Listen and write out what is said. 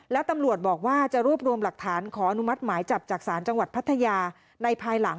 แล้วตำรวจบอกว่าจะรวบรวมหลักฐานขออนุมัติหมายจับจากศาลจังหวัดพัทยาในภายหลัง